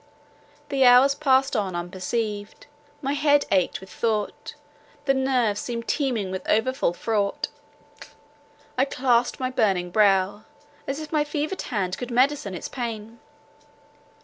The hours passed on unperceived; my head ached with thought, the nerves seemed teeming with the over full fraught—I clasped my burning brow, as if my fevered hand could medicine its pain.